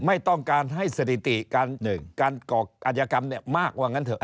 ไม่ต้องการให้สถิติการอัญกรรมเนี่ยมากว่างั้นเถอะ